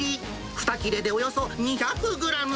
２切れでおよそ２００グラム。